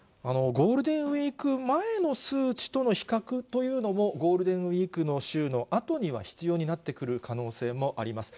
ゴールデンウィーク前の数値との比較というのも、ゴールデンウィークの週のあとには必要になってくる可能性もあります。